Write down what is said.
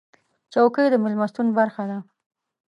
چوکۍ د میلمستون برخه ده.